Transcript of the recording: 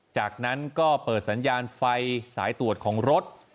จากนั้นก็เปิดสัญญาณไฟสายตรวจของรถ